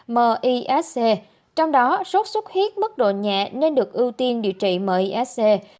misc trong đó sốt sốt huyết mất độ nhẹ nên được ưu tiên điều trị misc